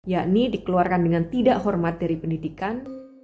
yakni dikeluarkan dengan tidak hormat dari pendidikan